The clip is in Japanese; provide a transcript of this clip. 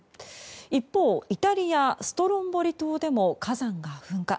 一方、イタリアストロンボリ島でも火山が噴火。